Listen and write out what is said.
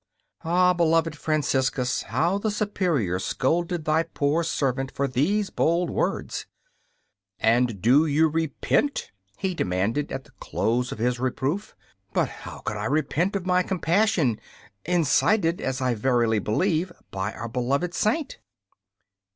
Ah, beloved Franciscus, how the Superior scolded thy poor servant for these bold words. 'And do you repent?' he demanded at the close of his reproof. But how could I repent of my compassion incited, as I verily believe, by our beloved Saint?